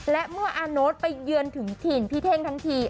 และเมื่ออาโน๊ตไปเยือนถึงถิ่นพี่เท่งทั้งที